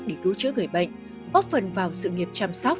để cứu chữa người bệnh góp phần vào sự nghiệp chăm sóc